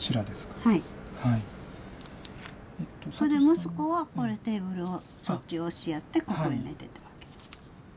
息子はテーブルをそっちに押しやってここで寝てたわけ。